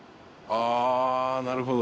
ああ、なるほど。